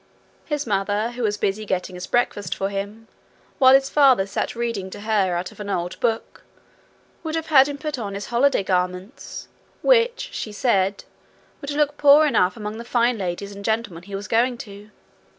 His mother, who was busy getting his breakfast for him, while his father sat reading to her out of an old book, would have had him put on his holiday garments, which, she said, would look poor enough among the fine ladies and gentlemen he was going to.